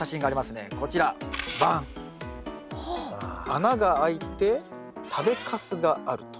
穴が開いて食べかすがあると。